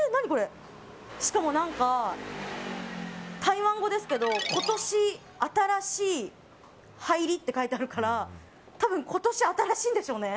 しかも台湾語ですけど今年新しい入りって書いてあるから多分、今年新しいんでしょうね。